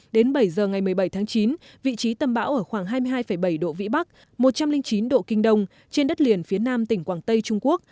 đến bảy giờ ngày một mươi bảy tháng chín vị trí tâm bão ở khoảng hai mươi hai bảy độ vĩ bắc một trăm linh chín độ kinh đông trên đất liền phía nam tỉnh quảng tây trung quốc